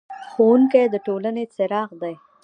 ښوونکی د ټولنې څراغ دی.